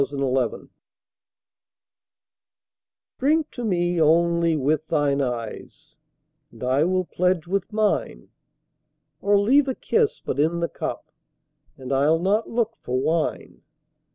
Y Z To Celia DRINK to me, only, with thine eyes, And I will pledge with mine; Or leave a kiss but in the cup, And I'll not look for wine.